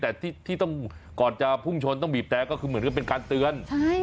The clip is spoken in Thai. แต่ที่ต้องก่อนจะพุ่งชนต้องบีบแต่ก็คือเหมือนกับเป็นการเตือน